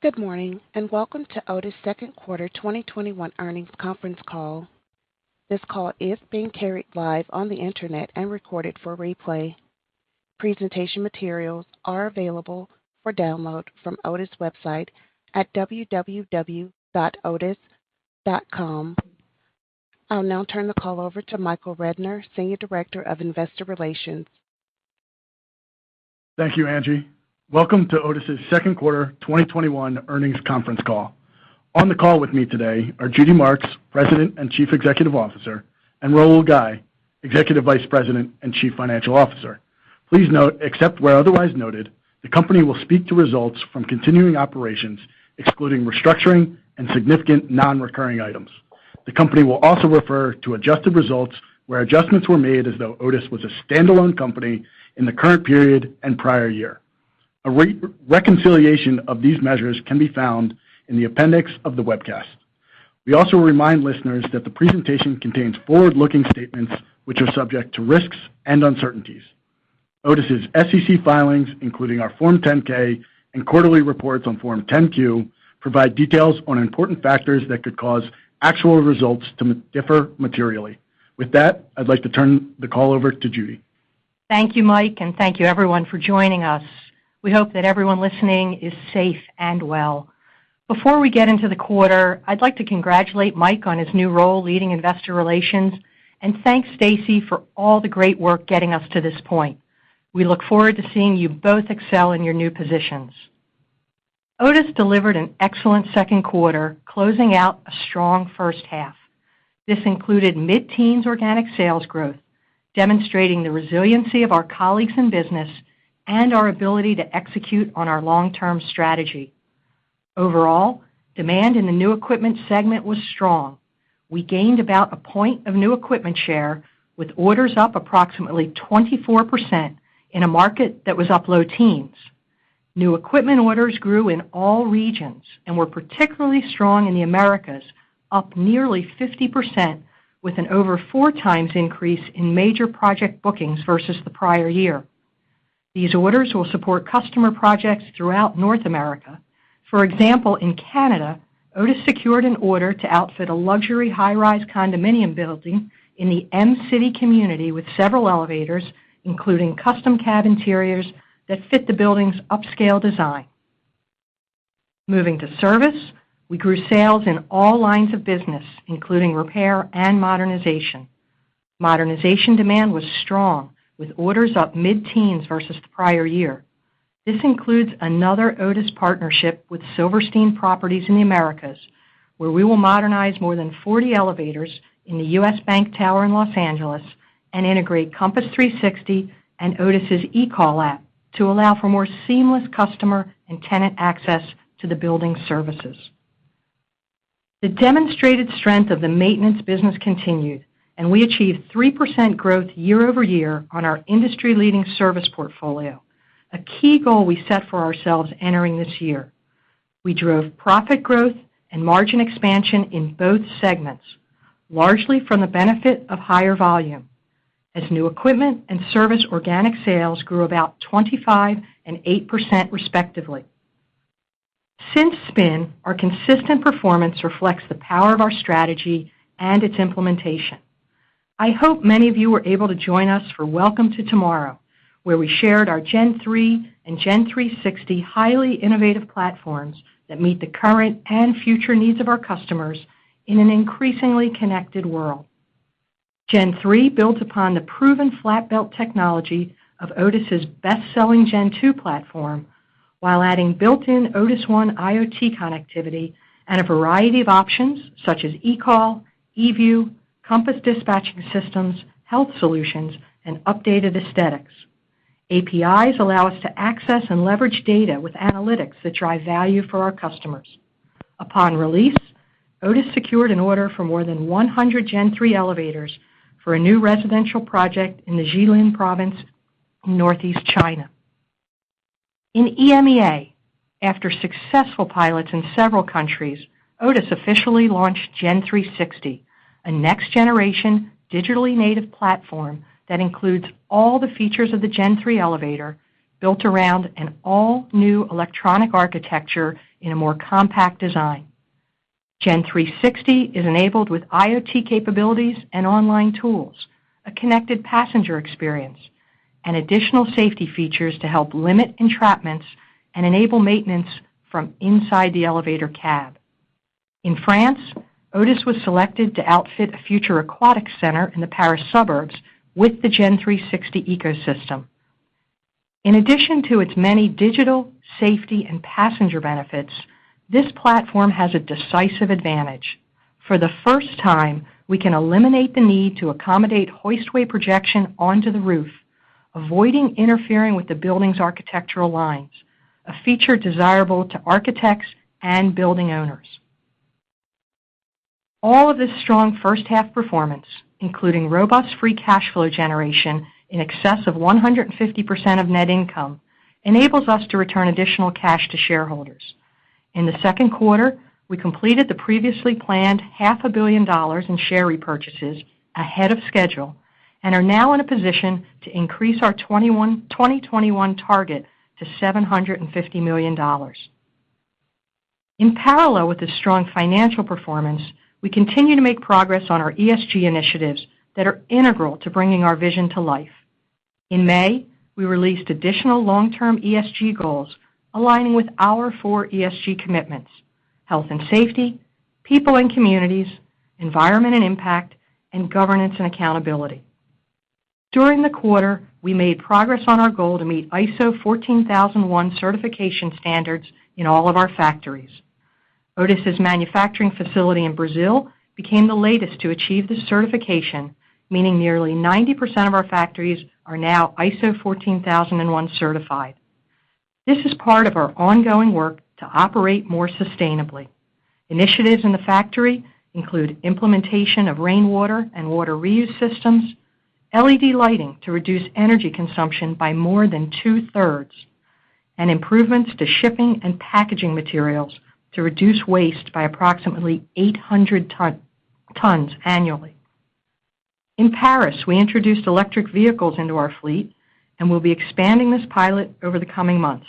Good morning, and welcome to Otis' Second Quarter 2021 Earnings Conference Call. This call is being carried live on the internet and recorded for replay. Presentation materials are available for download from Otis' website at www.otis.com. I'll now turn the call over to Michael Rednor, Senior Director-Investor Relations. Thank you, Angie. Welcome to Otis' Second Quarter 2021 Earnings Conference Call. On the call with me today are Judy Marks, President and Chief Executive Officer, and Rahul Ghai, Executive Vice President and Chief Financial Officer. Please note, except where otherwise noted, the company will speak to results from continuing operations, excluding restructuring and significant non-recurring items. The company will also refer to adjusted results where adjustments were made as though Otis was a standalone company in the current period and prior year. A reconciliation of these measures can be found in the appendix of the webcast. We also remind listeners that the presentation contains forward-looking statements which are subject to risks and uncertainties. Otis' SEC filings, including our Form 10-K and quarterly reports on Form 10-Q, provide details on important factors that could cause actual results to differ materially. With that, I'd like to turn the call over to Judy. Thank you, Mike, and thank you, everyone, for joining us. We hope that everyone listening is safe and well. Before we get into the quarter, I'd like to congratulate Mike on his new role leading investor relations and thank Stacy for all the great work getting us to this point. We look forward to seeing you both excel in your new positions. Otis delivered an excellent second quarter, closing out a strong first half. This included mid-teens organic sales growth, demonstrating the resiliency of our colleagues and business and our ability to execute on our long-term strategy. Overall, demand in the new equipment segment was strong. We gained about a point of new equipment share with orders up approximately 24% in a market that was up low teens. New equipment orders grew in all regions and were particularly strong in the Americas, up nearly 50% with an over 4x increase in major project bookings versus the prior year. These orders will support customer projects throughout North America. For example, in Canada, Otis secured an order to outfit a luxury high-rise condominium building in the M City community with several elevators, including custom cab interiors that fit the building's upscale design. Moving to service, we grew sales in all lines of business, including repair and modernization. Modernization demand was strong, with orders up mid-teens versus the prior year. This includes another Otis partnership with Silverstein Properties in the Americas, where we will modernize more than 40 elevators in the U.S. Bank Tower in Los Angeles and integrate Compass360 and Otis' eCall app to allow for more seamless customer and tenant access to the building's services. The demonstrated strength of the maintenance business continued, and we achieved 3% growth year-over-year on our industry-leading service portfolio, a key goal we set for ourselves entering this year. We drove profit growth and margin expansion in both segments, largely from the benefit of higher volume, as new equipment and service organic sales grew about 25% and 8% respectively. Since spin, our consistent performance reflects the power of our strategy and its implementation. I hope many of you were able to join us for Welcome to Tomorrow, where we shared our Gen3 and Gen360 highly innovative platforms that meet the current and future needs of our customers in an increasingly connected world. Gen3 builds upon the proven flat belt technology of Otis' best-selling Gen2 platform, while adding built-in Otis ONE IoT connectivity and a variety of options such as eCall, eView, Compass Dispatching System, health solutions, and updated aesthetics. APIs allow us to access and leverage data with analytics that drive value for our customers. Upon release, Otis secured an order for more than 100 Gen3 elevators for a new residential project in the Jilin province in Northeast China. In EMEA, after successful pilots in several countries, Otis officially launched Gen360, a next-generation digitally native platform that includes all the features of the Gen3 elevator built around an all-new electronic architecture in a more compact design. Gen360 is enabled with IoT capabilities and online tools, a connected passenger experience, and additional safety features to help limit entrapments and enable maintenance from inside the elevator cab. In France, Otis was selected to outfit a future aquatic center in the Paris suburbs with the Gen360 ecosystem. In addition to its many digital, safety, and passenger benefits, this platform has a decisive advantage. For the first time, we can eliminate the need to accommodate hoistway projection onto the roof, avoiding interfering with the building's architectural lines, a feature desirable to architects and building owners. All of this strong first-half performance, including robust free cash flow generation in excess of 150% of net income, enables us to return additional cash to shareholders. In the second quarter, we completed the previously planned half a billion dollars in share repurchases ahead of schedule, and are now in a position to increase our 2021 target to $750 million. In parallel with the strong financial performance, we continue to make progress on our ESG initiatives that are integral to bringing our vision to life. In May, we released additional long-term ESG goals aligning with our four ESG commitments: health and safety, people and communities, environment and impact, and governance and accountability. During the quarter, we made progress on our goal to meet ISO 14001 certification standards in all of our factories. Otis's manufacturing facility in Brazil became the latest to achieve this certification, meaning nearly 90% of our factories are now ISO 14001 certified. This is part of our ongoing work to operate more sustainably. Initiatives in the factory include implementation of rainwater and water reuse systems, LED lighting to reduce energy consumption by more than 2/3, and improvements to shipping and packaging materials to reduce waste by approximately 800 tons annually. In Paris, we introduced electric vehicles into our fleet and will be expanding this pilot over the coming months.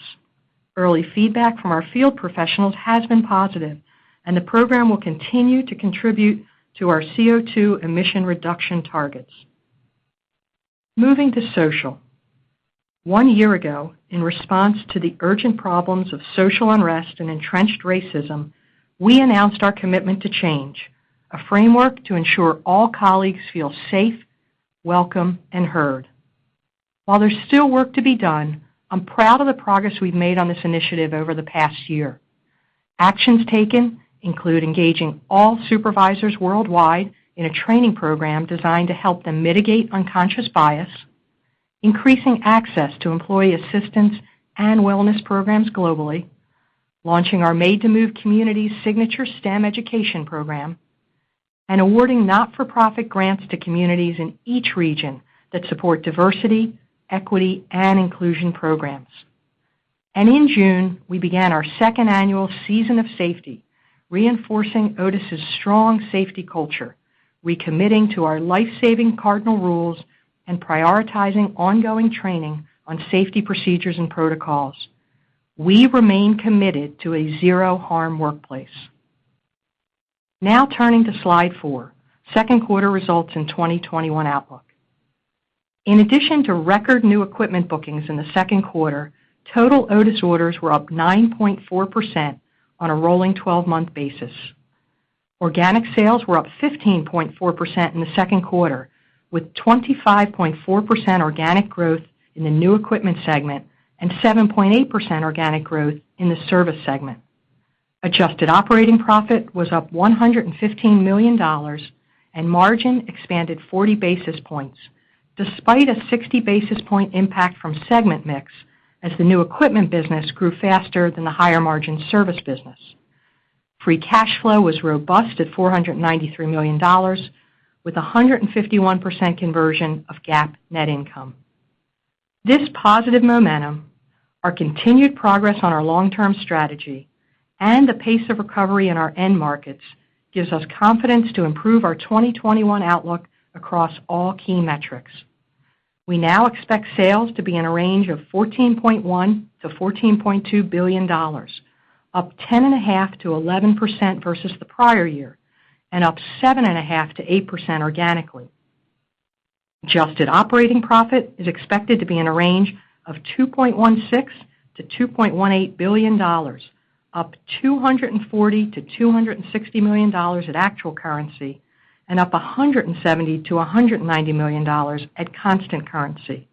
Early feedback from our field professionals has been positive, and the program will continue to contribute to our CO2 emission reduction targets. Moving to social. One year ago, in response to the urgent problems of social unrest and entrenched racism, we announced our commitment to change, a framework to ensure all colleagues feel safe, welcome, and heard. While there's still work to be done, I'm proud of the progress we've made on this initiative over the past year. Actions taken include engaging all supervisors worldwide in a training program designed to help them mitigate unconscious bias, increasing access to employee assistance and wellness programs globally, launching our Made to Move Communities signature STEM education program, and awarding not-for-profit grants to communities in each region that support diversity, equity, and inclusion programs. In June, we began our second annual Season of Safety, reinforcing Otis's strong safety culture, recommitting to our life-saving cardinal rules, and prioritizing ongoing training on safety procedures and protocols. We remain committed to a zero-harm workplace. Turning to slide four, second quarter results in 2021 outlook. In addition to record new equipment bookings in the second quarter, total Otis orders were up 9.4% on a rolling 12-month basis. Organic sales were up 15.4% in the second quarter, with 25.4% organic growth in the new equipment segment and 7.8% organic growth in the service segment. Adjusted operating profit was up $115 million, and margin expanded 40 basis points, despite a 60 basis point impact from segment mix as the new equipment business grew faster than the higher margin service business. Free cash flow was robust at $493 million, with 151% conversion of GAAP net income. This positive momentum, our continued progress on our long-term strategy, and the pace of recovery in our end markets gives us confidence to improve our 2021 outlook across all key metrics. We now expect sales to be in a range of $14.1 billion-$14.2 billion, up 10.5%-11% versus the prior year, and up 7.5%-8% organically. Adjusted operating profit is expected to be in a range of $2.16 billion-$2.18 billion, up $240 million-$260 million at actual currency, and up $170 million-$190 million at constant currency.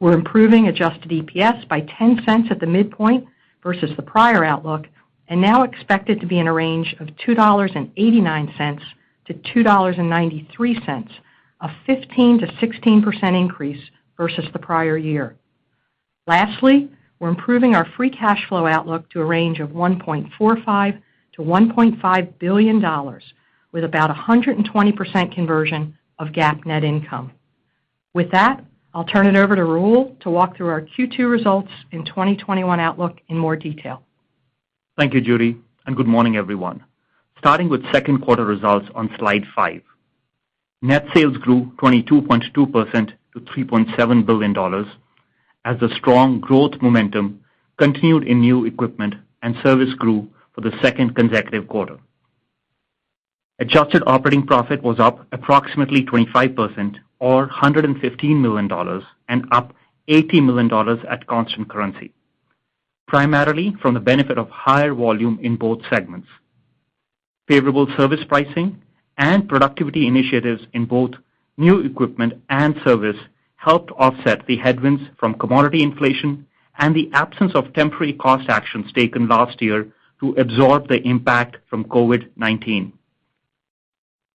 We're improving adjusted EPS by $0.10 at the midpoint versus the prior outlook and now expect it to be in a range of $2.89-$2.93, a 15%-16% increase versus the prior year. Lastly, we're improving our free cash flow outlook to a range of $1.45 billion-$1.5 billion, with about 120% conversion of GAAP net income. With that, I'll turn it over to Rahul to walk through our Q2 results and 2021 outlook in more detail. Thank you, Judy. Good morning, everyone. Starting with second quarter results on Slide 5. Net sales grew 22.2% to $3.7 billion as the strong growth momentum continued in new equipment and service grew for the second consecutive quarter. Adjusted operating profit was up approximately 25%, or $115 million, and up $80 million at constant currency, primarily from the benefit of higher volume in both segments. Favorable service pricing and productivity initiatives in both new equipment and service helped offset the headwinds from commodity inflation and the absence of temporary cost actions taken last year to absorb the impact from COVID-19.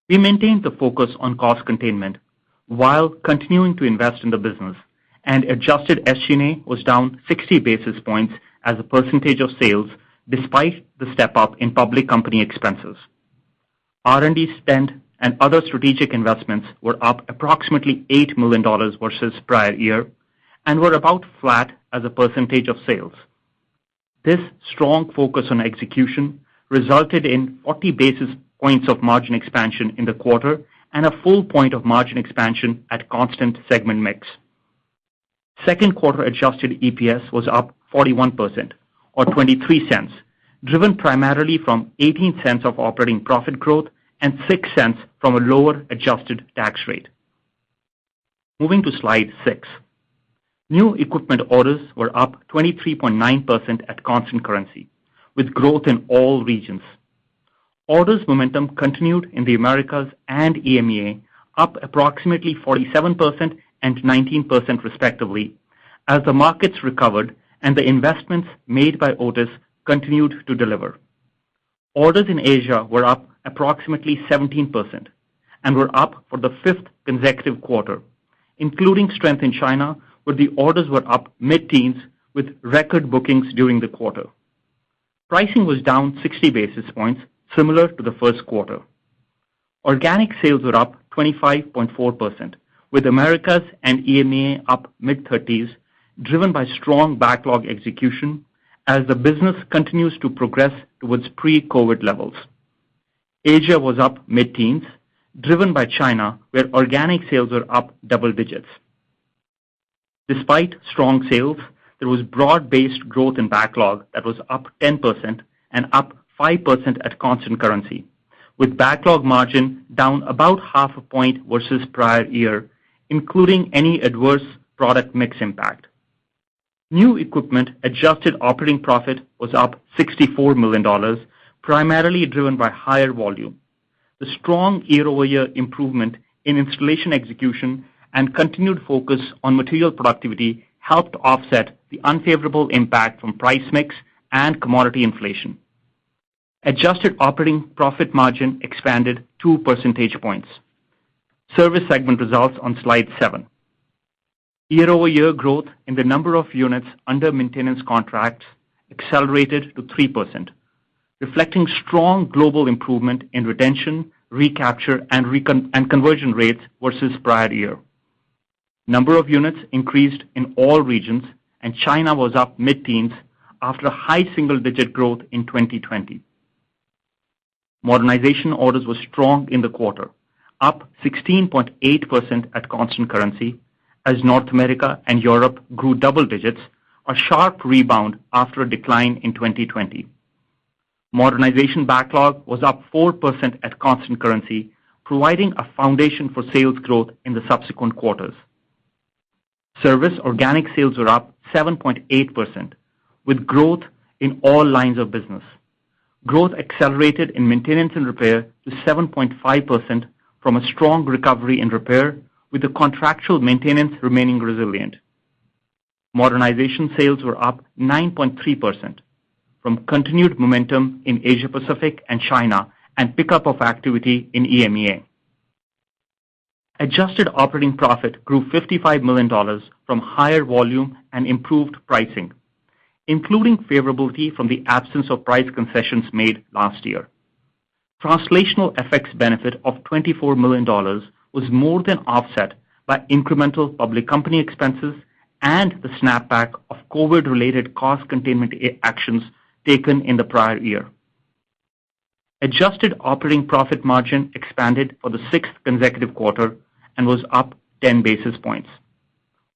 We maintained the focus on cost containment while continuing to invest in the business, and adjusted SG&A was down 60 basis points as a percentage of sales despite the step-up in public company expenses. R&D spend and other strategic investments were up approximately $8 million versus prior year and were about flat as a percentage of sales. This strong focus on execution resulted in 40 basis points of margin expansion in the quarter and a full point of margin expansion at constant segment mix. Second quarter adjusted EPS was up 41% or $0.23, driven primarily from $0.18 of operating profit growth and $0.06 from a lower adjusted tax rate. Moving to slide six. New equipment orders were up 23.9% at constant currency, with growth in all regions. Orders momentum continued in the Americas and EMEA, up approximately 47% and 19% respectively, as the markets recovered and the investments made by Otis continued to deliver. Orders in Asia were up approximately 17% and were up for the fifth consecutive quarter, including strength in China where the orders were up mid-teens with record bookings during the quarter. Pricing was down 60 basis points, similar to the first quarter. Organic sales were up 25.4%, with Americas and EMEA up mid-thirties, driven by strong backlog execution as the business continues to progress towards pre-COVID levels. Asia was up mid-teens, driven by China, where organic sales are up double digits. Despite strong sales, there was broad-based growth in backlog that was up 10% and up 5% at constant currency, with backlog margin down about half a point versus prior year, including any adverse product mix impact. New equipment adjusted operating profit was up $64 million, primarily driven by higher volume. The strong year-over-year improvement in installation execution and continued focus on material productivity helped offset the unfavorable impact from price mix and commodity inflation. Adjusted operating profit margin expanded 2 percentage points. Service segment results on slide seven. Year-over-year growth in the number of units under maintenance contracts accelerated to 3%, reflecting strong global improvement in retention, recapture, and conversion rates versus prior year. Number of units increased in all regions, and China was up mid-teens after high single-digit growth in 2020. Modernization orders were strong in the quarter, up 16.8% at constant currency as North America and Europe grew double digits, a sharp rebound after a decline in 2020. Modernization backlog was up 4% at constant currency, providing a foundation for sales growth in the subsequent quarters. Service organic sales were up 7.8%, with growth in all lines of business. Growth accelerated in maintenance and repair to 7.5% from a strong recovery in repair, with the contractual maintenance remaining resilient. Modernization sales were up 9.3% from continued momentum in Asia-Pacific and China and pickup of activity in EMEA. Adjusted operating profit grew $55 million from higher volume and improved pricing, including favorability from the absence of price concessions made last year. Translational FX benefit of $24 million was more than offset by incremental public company expenses and the snapback of COVID-related cost containment actions taken in the prior year. Adjusted operating profit margin expanded for the sixth consecutive quarter and was up 10 basis points.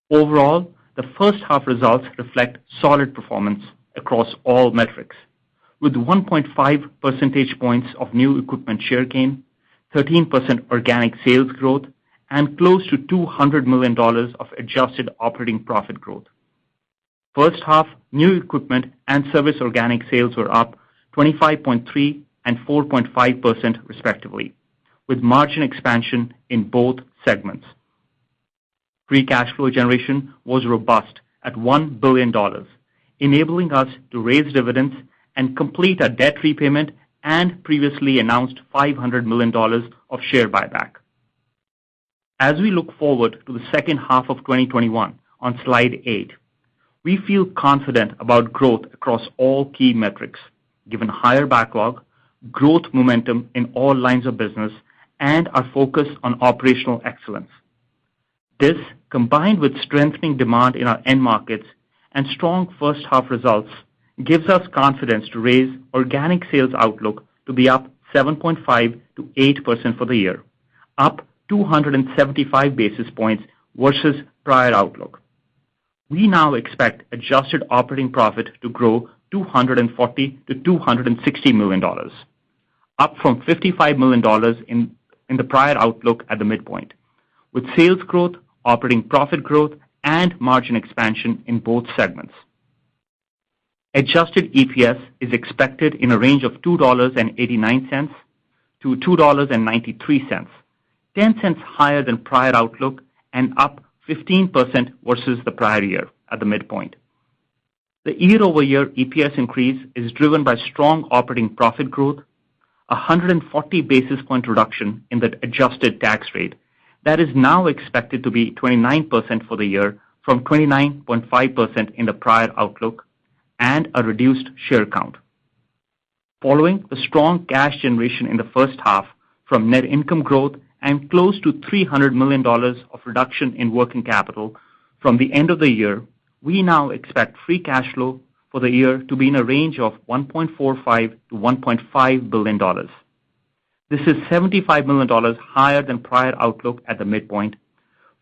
Overall, the first half results reflect solid performance across all metrics, with 1.5 percentage points of new equipment share gain, 13% organic sales growth, and close to $200 million of adjusted operating profit growth. First half new equipment and service organic sales were up 25.3% and 4.5% respectively, with margin expansion in both segments. Free cash flow generation was robust at $1 billion, enabling us to raise dividends and complete our debt repayment and previously announced $500 million of share buyback. As we look forward to the second half of 2021, on slide eight, we feel confident about growth across all key metrics, given higher backlog, growth momentum in all lines of business, and are focused on operational excellence. This, combined with strengthening demand in our end markets and strong first half results, gives us confidence to raise organic sales outlook to be up 7.5%-8% for the year, up 275 basis points versus prior outlook. We now expect adjusted operating profit to grow $240 million-$260 million, up from $55 million in the prior outlook at the midpoint, with sales growth, operating profit growth, and margin expansion in both segments. Adjusted EPS is expected in a range of $2.89-$2.93, $0.10 higher than prior outlook and up 15% versus the prior year at the midpoint. The year-over-year EPS increase is driven by strong operating profit growth, 140 basis point reduction in the adjusted tax rate that is now expected to be 29% for the year from 29.5% in the prior outlook, and a reduced share count. Following the strong cash generation in the first half from net income growth and close to $300 million of reduction in working capital from the end of the year, we now expect free cash flow for the year to be in a range of $1.45 billion-$1.5 billion. This is $75 million higher than prior outlook at the midpoint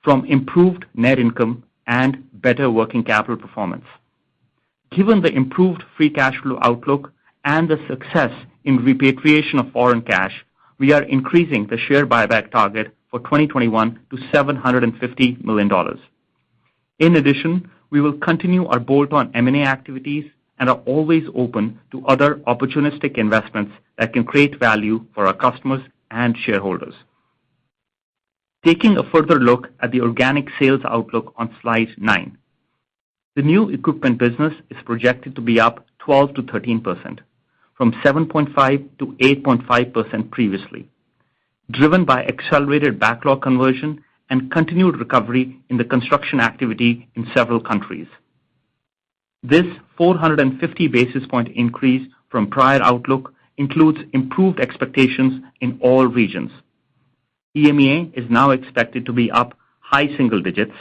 from improved net income and better working capital performance. Given the improved free cash flow outlook and the success in repatriation of foreign cash, we are increasing the share buyback target for 2021 to $750 million. In addition, we will continue our bolt-on M&A activities and are always open to other opportunistic investments that can create value for our customers and shareholders. Taking a further look at the organic sales outlook on slide nine. The new equipment business is projected to be up 12%-13%, from 7.5%-8.5% previously, driven by accelerated backlog conversion and continued recovery in the construction activity in several countries. This 450 basis point increase from prior outlook includes improved expectations in all regions. EMEA is now expected to be up high-single digits,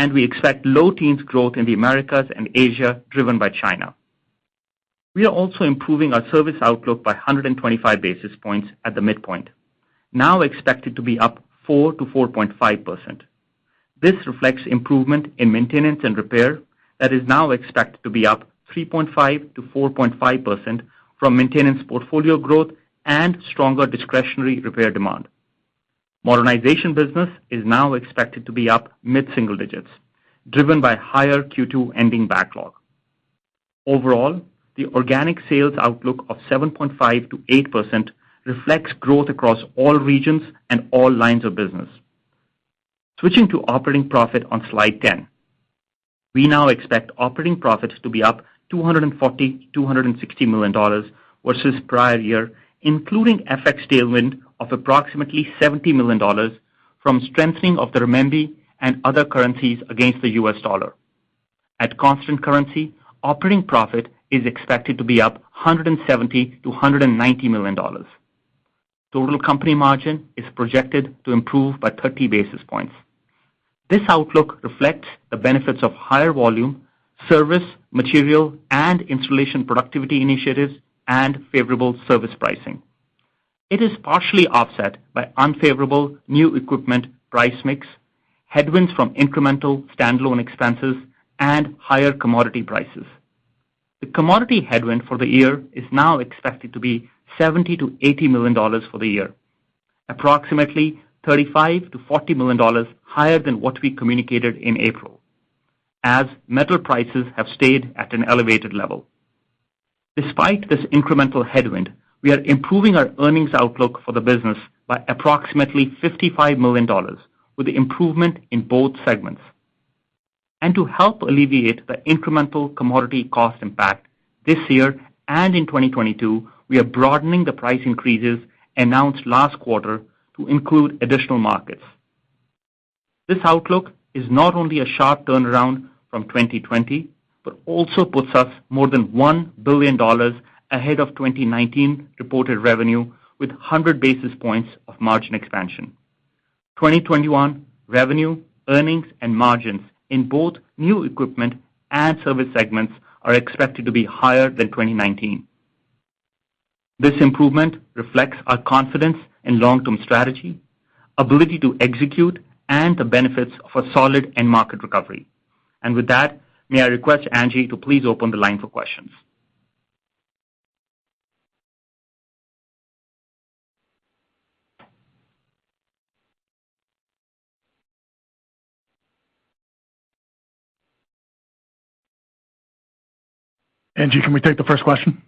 and we expect low teens growth in the Americas and Asia, driven by China. We are also improving our service outlook by 125 basis points at the midpoint, now expected to be up 4%-4.5%. This reflects improvement in maintenance and repair that is now expected to be up 3.5%-4.5% from maintenance portfolio growth and stronger discretionary repair demand. Modernization business is now expected to be up mid-single digits, driven by higher Q2 ending backlog. Overall, the organic sales outlook of 7.5%-8% reflects growth across all regions and all lines of business. Switching to operating profit on slide 10. We now expect operating profits to be up $240 million-$260 million versus prior year, including FX tailwind of approximately $70 million from strengthening of the renminbi and other currencies against the U.S. dollar. At constant currency, operating profit is expected to be up $170 million-$190 million. Total company margin is projected to improve by 30 basis points. This outlook reflects the benefits of higher volume, service, material, and installation productivity initiatives and favorable service pricing. It is partially offset by unfavorable new equipment price mix, headwinds from incremental standalone expenses, and higher commodity prices. The commodity headwind for the year is now expected to be $70 million-$80 million for the year, approximately $35 million-$40 million higher than what we communicated in April, as metal prices have stayed at an elevated level. Despite this incremental headwind, we are improving our earnings outlook for the business by approximately $55 million, with the improvement in both segments. To help alleviate the incremental commodity cost impact this year and in 2022, we are broadening the price increases announced last quarter to include additional markets. This outlook is not only a sharp turnaround from 2020, but also puts us more than $1 billion ahead of 2019 reported revenue with 100 basis points of margin expansion. 2021 revenue, earnings, and margins in both new equipment and service segments are expected to be higher than 2019. This improvement reflects our confidence in long-term strategy, ability to execute, and the benefits of a solid end market recovery. With that, may I request Angie to please open the line for questions. Angie, can we take the first question?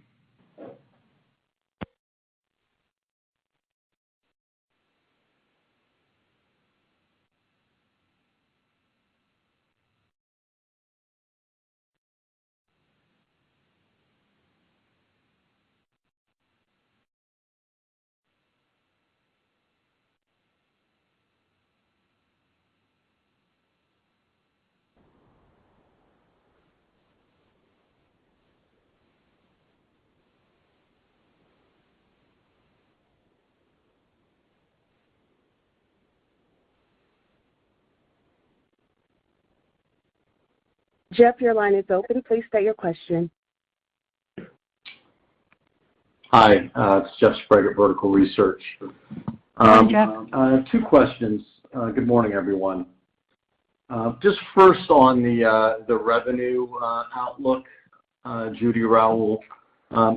Jeff, your line is open. Please state your question. Hi. It's Jeffrey Sprague, Vertical Research Partners. Hi, Jeff. I have two questions. Good morning, everyone. First on the revenue outlook, Judy, Rahul.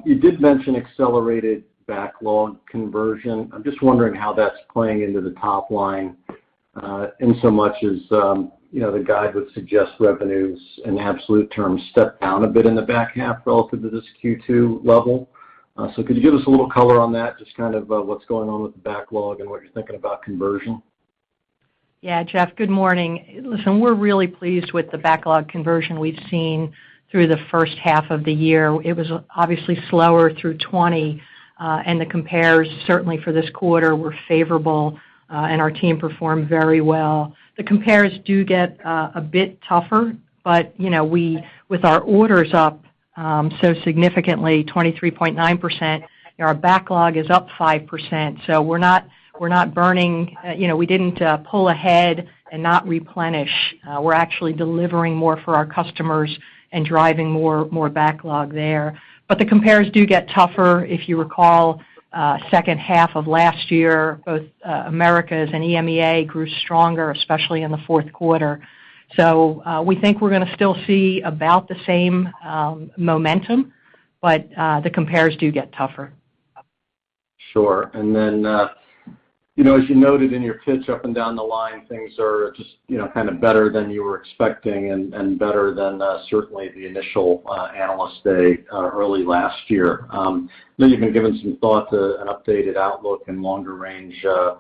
You did mention accelerated backlog conversion. I'm just wondering how that's playing into the top line, insomuch as the guide would suggest revenues in absolute terms step down a bit in the back half relative to this Q2 level. Could you give us a little color on that? Kind of what's going on with the backlog and what you're thinking about conversion. Yeah, Jeff, good morning. Listen, we're really pleased with the backlog conversion we've seen through the first half of the year. It was obviously slower through 2020. The compares, certainly for this quarter, were favorable, and our team performed very well. The compares do get a bit tougher, with our orders up Significantly, 23.9%, our backlog is up 5%. We're not burning. We didn't pull ahead and not replenish. We're actually delivering more for our customers and driving more backlog there. The compares do get tougher. If you recall, second half of last year, both Americas and EMEA grew stronger, especially in the fourth quarter. We think we're going to still see about the same momentum, but the compares do get tougher. Sure. As you noted in your pitch up and down the line, things are just kind of better than you were expecting and better than certainly the initial Analyst Day early last year. You've been giving some thought to an updated outlook and longer range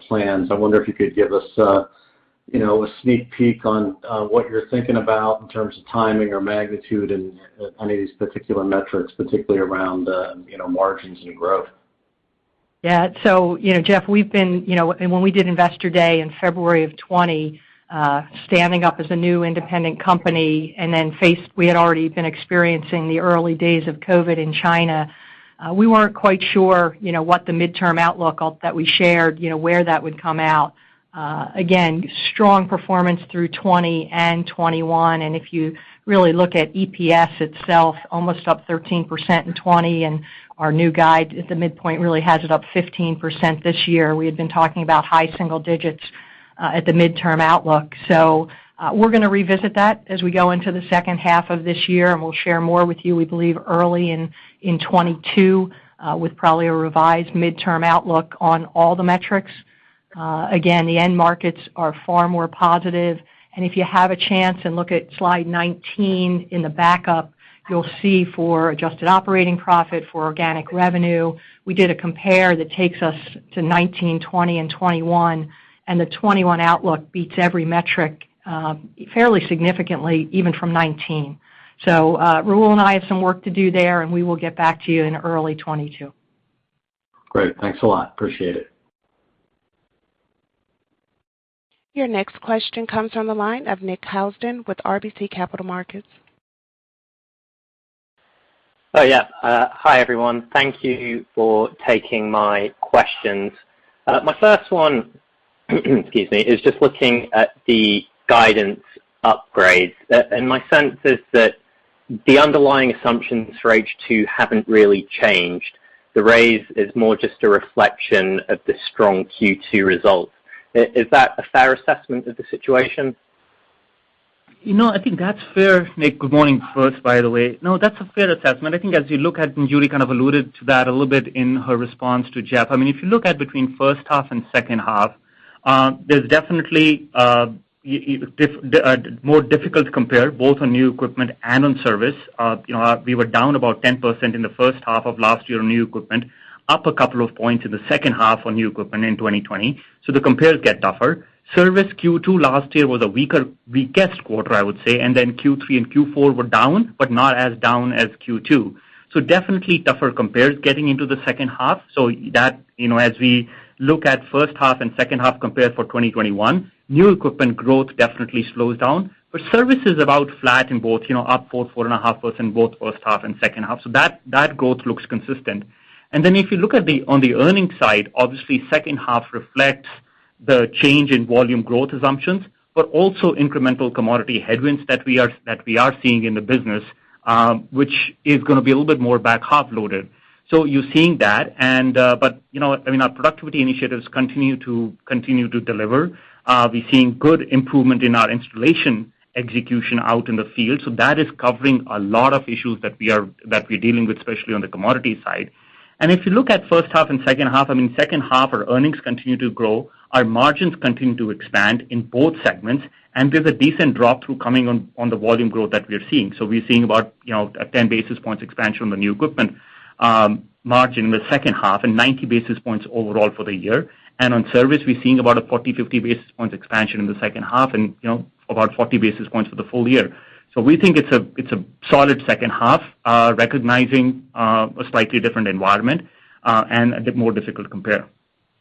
plans. I wonder if you could give us a sneak peek on what you're thinking about in terms of timing or magnitude in any of these particular metrics, particularly around margins and growth. Yeah. Jeff, when we did Investor Day in February of 2020, standing up as a new independent company, we had already been experiencing the early days of COVID in China. We weren't quite sure what the midterm outlook that we shared, where that would come out. Again, strong performance through 2020 and 2021, if you really look at EPS itself, almost up 13% in 2020, our new guide at the midpoint really has it up 15% this year. We had been talking about high single-digits at the midterm outlook. We're going to revisit that as we go into the second half of this year, we'll share more with you, we believe, early in 2022, with probably a revised midterm outlook on all the metrics. Again, the end markets are far more positive. If you have a chance and look at slide 19 in the backup, you'll see for adjusted operating profit, for organic revenue, we did a compare that takes us to 2019, 2020 and 2021, and the 2021 outlook beats every metric fairly significantly, even from 2019. Rahul and I have some work to do there, and we will get back to you in early 2022. Great. Thanks a lot. Appreciate it. Your next question comes on the line of Nick Housden with RBC Capital Markets. Hi, everyone. Thank you for taking my questions. My first one, excuse me, is just looking at the guidance upgrades. My sense is that the underlying assumptions for H2 haven't really changed. The raise is more just a reflection of the strong Q2 results. Is that a fair assessment of the situation? I think that's fair. Nick, good morning first, by the way. No, that's a fair assessment. I think as you look at, and Judy kind of alluded to that a little bit in her response to Jeff. If you look at between first half and second half, there's definitely more difficult compare both on new equipment and on service. We were down about 10% in the first half of last year on new equipment, up two points in the second half on new equipment in 2020. The compares get tougher. Service Q2 last year was a weaker, weakest quarter, I would say, and then Q3 and Q4 were down, but not as down as Q2. Definitely tougher compares getting into the second half. As we look at first half and second half compare for 2021, new equipment growth definitely slows down. Service is about flat in both, up 4.5% both first half and second half. That growth looks consistent. If you look on the earning side, obviously second half reflects the change in volume growth assumptions, but also incremental commodity headwinds that we are seeing in the business, which is going to be a little bit more back half loaded. You're seeing that, but our productivity initiatives continue to deliver. We're seeing good improvement in our installation execution out in the field. That is covering a lot of issues that we're dealing with, especially on the commodity side. If you look at first half and second half, second half our earnings continue to grow, our margins continue to expand in both segments, and there's a decent drop through coming on the volume growth that we're seeing. We're seeing about a 10 basis points expansion on the new equipment margin in the second half and 90 basis points overall for the year. On service, we're seeing about a 40-50 basis points expansion in the second half and about 40 basis points for the full year. We think it's a solid second half, recognizing a slightly different environment, and a bit more difficult compare.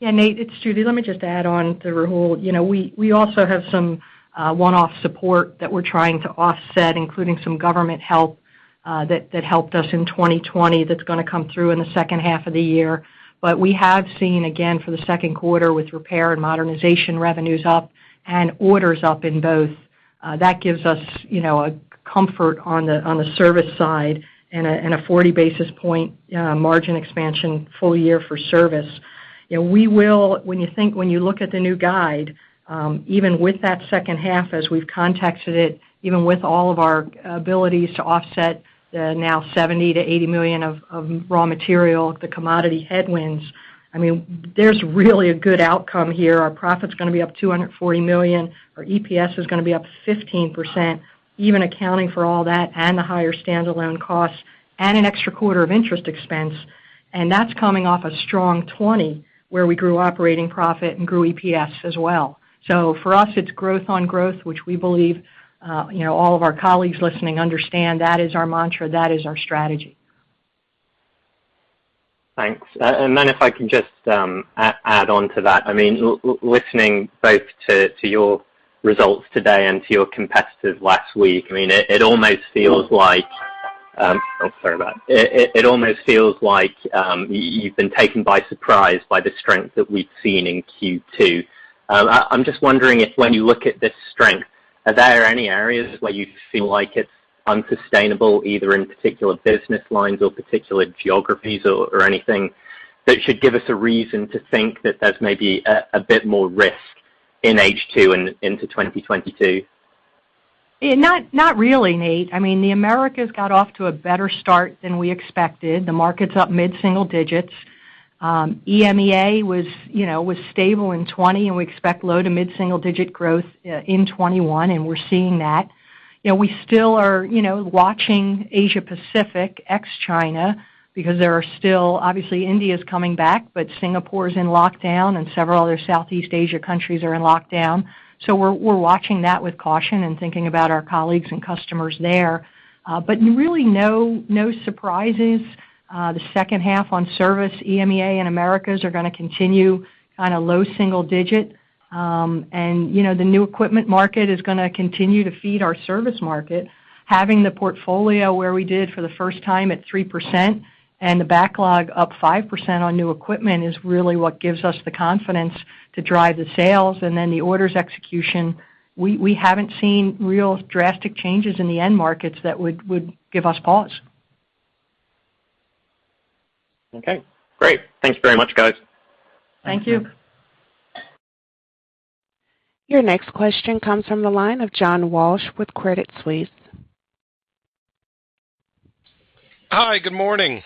Yeah, Nick, it's Judy. Let me just add on to Rahul. We also have some one-off support that we're trying to offset, including some government help, that helped us in 2020 that's going to come through in the second half of the year. We have seen, again, for the second quarter with repair and modernization revenues up and orders up in both. That gives us comfort on the service side and a 40 basis point margin expansion full year for service. When you look at the new guide, even with that second half as we've contacted it, even with all of our abilities to offset the now $70 million-$80 million of raw material, the commodity headwinds, there's really a good outcome here. Our profit's going to be up $240 million. Our EPS is going to be up 15%, even accounting for all that and the higher stand-alone costs and an extra quarter of interest expense. That's coming off a strong 2020 where we grew operating profit and grew EPS as well. For us, it's growth on growth, which we believe all of our colleagues listening understand that is our mantra, that is our strategy. Thanks. If I can just add on to that. Listening both to your results today and to your competitors last week, it almost feels like you've been taken by surprise by the strength that we've seen in Q2. I'm just wondering if, when you look at this strength, are there any areas where you feel like it's unsustainable, either in particular business lines or particular geographies or anything that should give us a reason to think that there's maybe a bit more risk in H2 into 2022? Not really, Nick. The Americas got off to a better start than we expected. The market's up mid-single digits. EMEA was stable in 2020, and we expect low- to mid-single-digit growth in 2021, and we're seeing that. We still are watching Asia-Pacific ex-China, because there are still, obviously India's coming back, but Singapore's in lockdown, and several other Southeast Asia countries are in lockdown. We're watching that with caution and thinking about our colleagues and customers there. Really, no surprises. The second half on service, EMEA and Americas are going to continue on a low single-digit. The new equipment market is going to continue to feed our service market. Having the portfolio where we did for the first time at 3% and the backlog up 5% on new equipment is really what gives us the confidence to drive the sales and the orders execution. We haven't seen real drastic changes in the end markets that would give us pause. Okay, great. Thanks very much, guys. Thank you. Your next question comes from the line of John Walsh with Credit Suisse. Hi, good morning.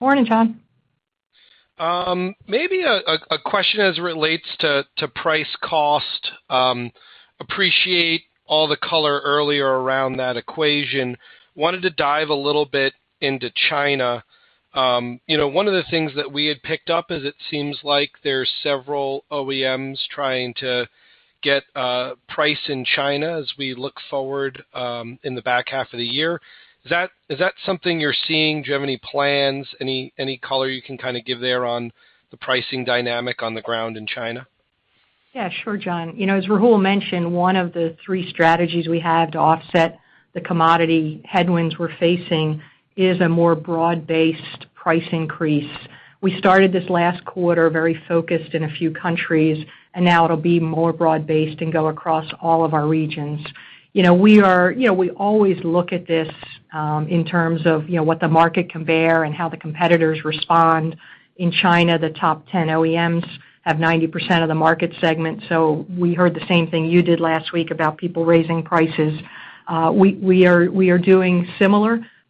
Morning, John. Maybe a question as it relates to price cost. Appreciate all the color earlier around that equation. Wanted to dive a little bit into China. One of the things that we had picked up is it seems like there's several OEMs trying to get price in China as we look forward in the back half of the year. Is that something you're seeing? Do you have any plans, any color you can kind of give there on the pricing dynamic on the ground in China? Yeah, sure, John. As Rahul mentioned, one of the three strategies we have to offset the commodity headwinds we're facing is a more broad-based price increase. We started this last quarter very focused in a few countries. Now it'll be more broad-based and go across all of our regions. We always look at this in terms of what the market can bear and how the competitors respond. In China, the top 10 OEMs have 90% of the market segment. We heard the same thing you did last week about people raising prices.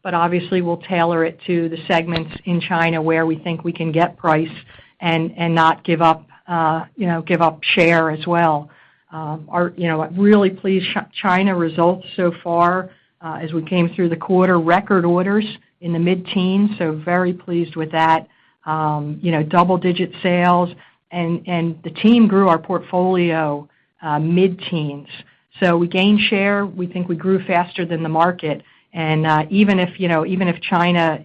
Obviously, we'll tailor it to the segments in China where we think we can get price and not give up share as well. Really pleased, China results so far as we came through the quarter, record orders in the mid-teens, so very pleased with that. Double-digit sales. The team grew our portfolio mid-teens. We gained share. We think we grew faster than the market. Even if China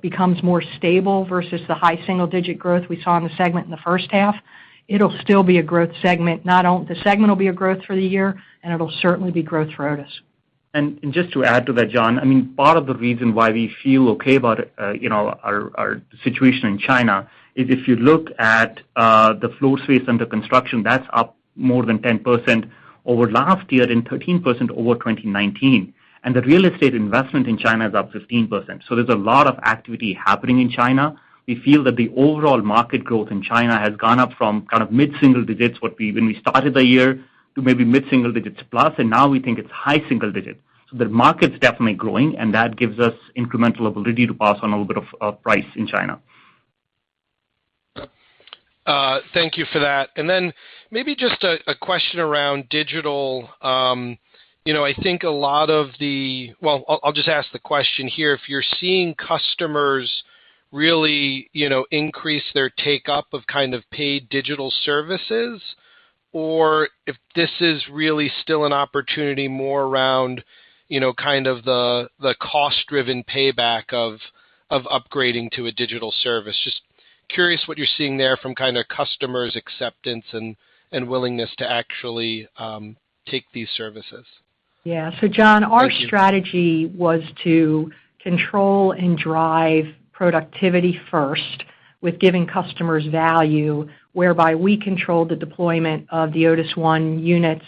becomes more stable versus the high single-digit growth we saw in the segment in the first half, it'll still be a growth segment. The segment will be a growth for the year, and it'll certainly be growth for Otis. Just to add to that, John, part of the reason why we feel okay about our situation in China is if you look at the floor space under construction, that's up more than 10% over last year and 13% over 2019. The real estate investment in China is up 15%. There's a lot of activity happening in China. We feel that the overall market growth in China has gone up from kind of mid-single-digits when we started the year, to maybe mid-single digits plus, and now we think it's high single-digits. The market's definitely growing, and that gives us incremental ability to pass on a little bit of price in China. Thank you for that. Maybe just a question around digital. I think a lot of the well, I'll just ask the question here. If you're seeing customers really increase their take-up of kind of paid digital services, or if this is really still an opportunity more around kind of the cost-driven payback of upgrading to a digital service? Just curious what you're seeing there from kind of customers' acceptance and willingness to actually take these services? Yeah. John, our strategy was to control and drive productivity first with giving customers value, whereby we control the deployment of the Otis ONE units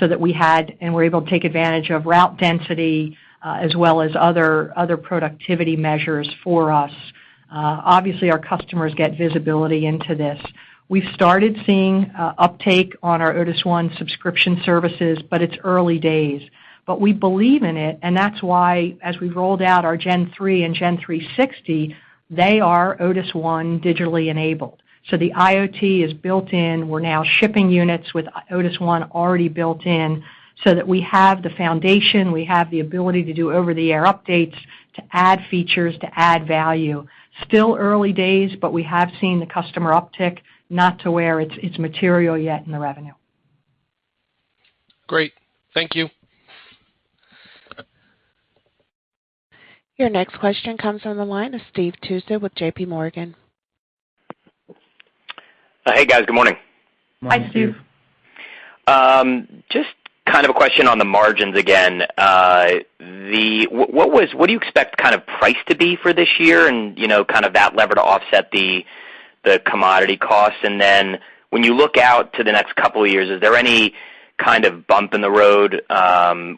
so that we had and were able to take advantage of route density as well as other productivity measures for us. Obviously, our customers get visibility into this. We've started seeing uptake on our Otis ONE subscription services, but it's early days. We believe in it, and that's why as we rolled out our Gen3 and Gen360, they are Otis ONE digitally enabled. The IoT is built in. We're now shipping units with Otis ONE already built-in so that we have the foundation, we have the ability to do over-the-air updates to add features, to add value. Still early days. We have seen the customer uptick, not to where it's material yet in the revenue. Great. Thank you. Your next question comes on the line of Steve Tusa with JPMorgan. Hey, guys. Good morning. Morning. Hi, Steve. Just a question on the margins again. What do you expect price to be for this year and that lever to offset the commodity costs? When you look out to the next couple of years, is there any kind of bump in the road,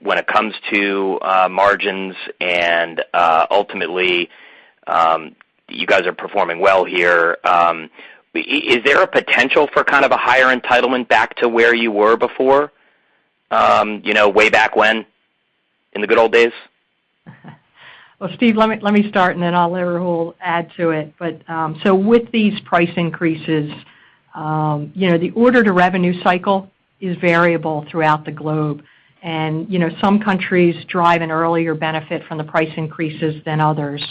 when it comes to margins and ultimately, you guys are performing well here, is there a potential for a higher entitlement back to where you were before, way back when in the good old days? Steve, let me start, and then I'll let Rahul add to it. With these price increases, the order-to-revenue cycle is variable throughout the globe. Some countries drive an earlier benefit from the price increases than others.